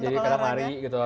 jadi kadang lari gitu